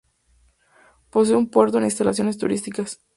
Posee un puerto e instalaciones turísticas.